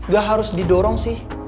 gak harus didorong sih